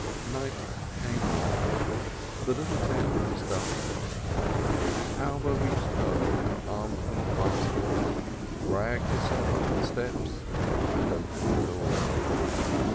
.flight came on, the little town was darkened. Taube reached home with her armful of baskets, dragged herself up the steps, and opened the door.